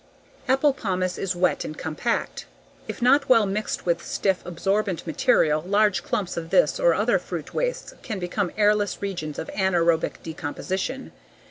Apple pomace is wet and compact. If not well mixed with stiff, absorbent material, large clumps of this or other fruit wastes can become airless regions of anaerobic decomposition.